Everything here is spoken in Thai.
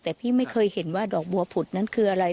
แต่พี่ไม่เคยเห็นว่าดอกบัวผุดนั้นคืออะไร